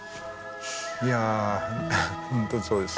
いや本当そうです。